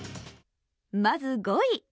まず５位。